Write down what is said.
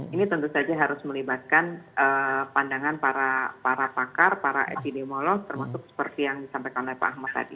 ini tentu saja harus melibatkan pandangan para pakar para epidemiolog termasuk seperti yang disampaikan oleh pak ahmad tadi